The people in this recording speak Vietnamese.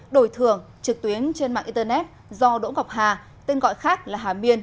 đổi thưởng trực tuyến trên mạng internet do đỗ ngọc hà tên gọi khác là hà miên